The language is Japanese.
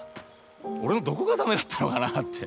俺のどこが駄目だったのかなって。